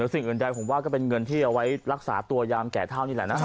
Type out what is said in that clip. สิ่งอื่นใดผมว่าก็เป็นเงินที่เอาไว้รักษาตัวยามแก่เท่านี่แหละนะ